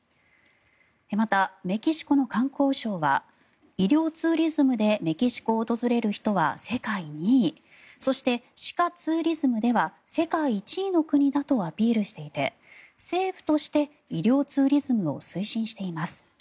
また、メキシコの観光相は医療ツーリズムでメキシコを訪れる人は世界２位そして、歯科ツーリズムでは世界１位の国だとアピールしていて政府として医療ツーリズムを推進しています。